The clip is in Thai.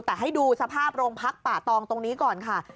แต่ให้ดูสภาพโรงพักป่าตองตรงนี้ก่อนค่ะ